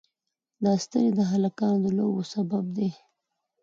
دا ستنې د هلکانو د لوبو سبب دي.